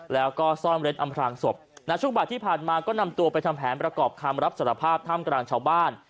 แล้วก็ซ่อนเร็ดอำพลางศพณช่วงบ่ายที่ผ่านมาก็นำตัวไปทำแผนประกอบคำรับสารภาพท่ามกลางชาวบ้าน